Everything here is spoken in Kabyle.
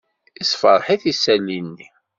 Yessfṛeḥ-it isali-nni.